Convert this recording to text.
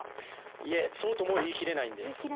いえ、そうとも言いきれないんです。